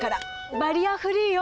バリアフリーよ。